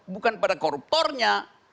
bukan pada koruptornya